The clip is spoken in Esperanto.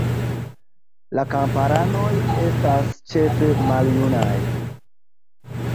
La kamparanoj estas ĉefe maljunaj.